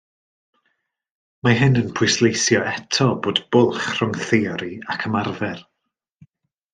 Mae hyn yn pwysleisio eto bod bwlch rhwng theori ac ymarfer.